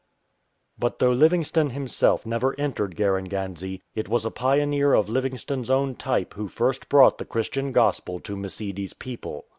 But though Livingstone himself never entered Garen ganze, it was a pioneer of Livingstone''s own type who first brought the Christian Gospel to Msidi's people.